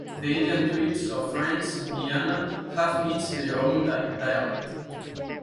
The Indian tribes of French Guiana have each their own dialect.